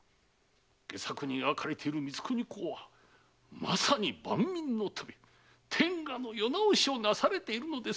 戯作に描かれている光圀公はまさに万民のため天下の世直しをなされているのですぞ。